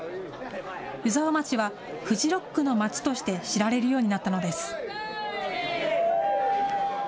湯沢町はフジロックの町として知られるようになったのです。